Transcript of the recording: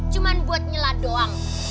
cuma buat nyela doang